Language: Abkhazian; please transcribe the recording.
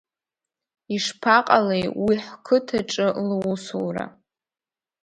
Ишԥаҟалеи уи ҳқыҭаҿы лусура?